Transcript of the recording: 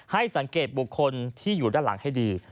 ให้สังเกตบุคคลที่อยู่ด้านหลังให้ดี